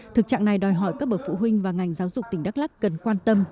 thực trạng này đòi hỏi các bậc phụ huynh và ngành giáo dục tỉnh đắk lắc cần quan tâm